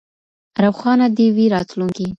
روښانه دې وي راتلونکی.